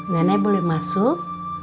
nenek boleh masuk